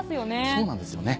そうなんですよね。